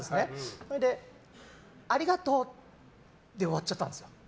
それで「ありがとう」で終わっちゃったんですよ。